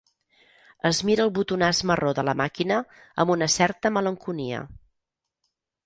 Es mira el botonàs marró de la màquina amb una certa malenconia.